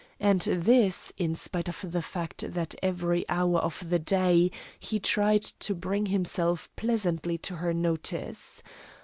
And this, in spite of the fact that every hour of the day he tried to bring himself pleasantly to her notice.